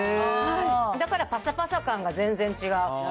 だからぱさぱさ感が全然違う。